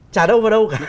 trả đâu vào đâu cả